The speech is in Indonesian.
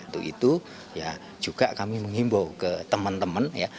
untuk itu ya juga kami menghimbau ke teman teman ya